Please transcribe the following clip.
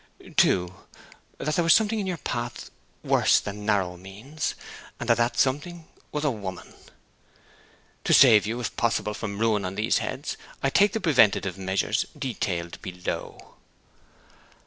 '(2) That there was something in your path worse than narrow means, and that that something was a woman. 'To save you, if possible, from ruin on these heads, I take the preventive measures detailed below.